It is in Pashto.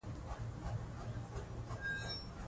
اداري ارګان باید خپله پرېکړه توجیه کړي.